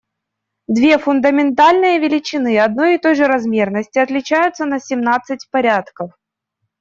Две фундаментальные величины одной и той же размерности отличаются на семнадцать порядков.